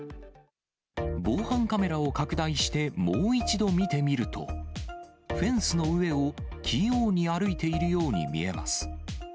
防犯カメラを拡大してもう一度見てみると、フェンスの上を器用に歩いているように見えます。